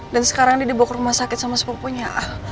dan sekarang dia dibawa ke rumah sakit sama sepupunya